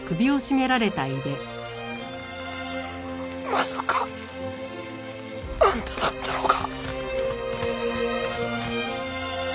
まさかあんただったのか。